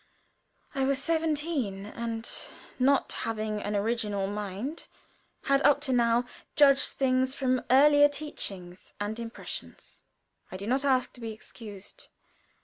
I was seventeen, and not having an original mind, had up to now judged things from earlier teachings and impressions. I do not ask to be excused.